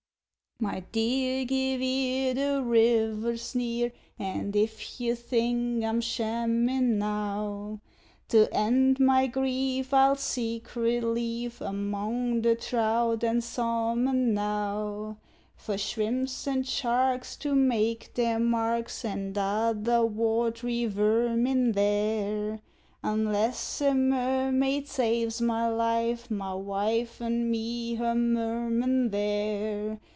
My dear, give ear! the river's near, And if you think I'm shammin' now, To end my grief I'll seek relief Among the trout and salmon, now; For shrimps and sharks to make their marks, And other watery vermin there; Unless a mermaid saves my life, My wife, and me her merman there.